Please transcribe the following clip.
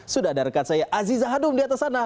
sudah ada rekan saya aziza hanum di atas sana